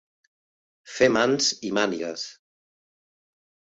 Fer mans i mànigues.